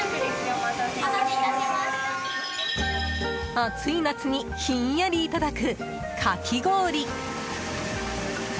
暑い夏にひんやりいただくかき氷。